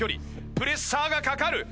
プレッシャーがかかる。